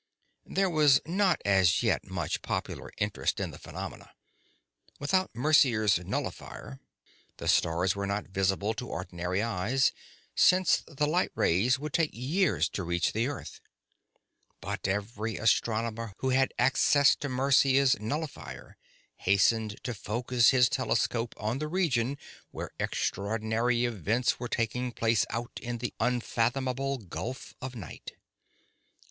There was not as yet much popular interest in the phenomena. Without Mercia's nullifier, the stars were not visible to ordinary eyes, since the light rays would take years to reach the Earth. But every astronomer who had access to Mercia's nullifier hastened to focus his telescope on the region where extraordinary events were taking place out in the unfathomable gulf of night.